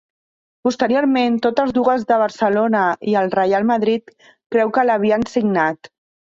Posteriorment, totes dues de Barcelona i el Reial Madrid creu que l'havien signat.